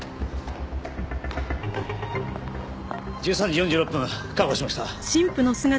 １３時４６分確保しました。